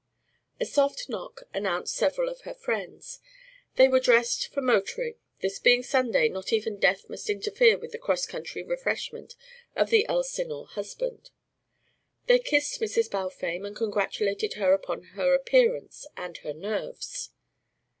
A soft knock announced several of her friends. They were dressed for motoring; this being Sunday, not even death must interfere with the cross country refreshment of the Elsinore husband. They kissed Mrs. Balfame and congratulated her upon her appearance and her nerves.